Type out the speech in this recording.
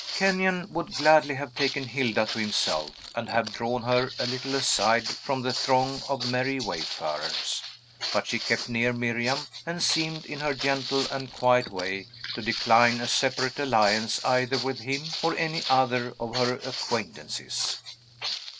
Kenyon would gladly have taken Hilda to himself, and have drawn her a little aside from the throng of merry wayfarers. But she kept near Miriam, and seemed, in her gentle and quiet way, to decline a separate alliance either with him or any other of her acquaintances.